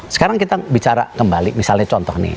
sekarang kita bicara kembali misalnya contoh nih